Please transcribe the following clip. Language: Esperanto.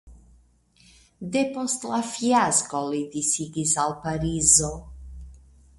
Depost la fiasko li disidis al Parizo.